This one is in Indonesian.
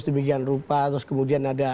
sedemikian rupa terus kemudian ada